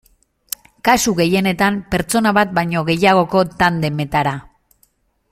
Kasu gehienetan, pertsona bat baino gehiagoko tandemetara.